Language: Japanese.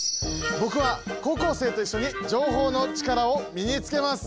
僕は高校生と一緒に情報のチカラを身につけます。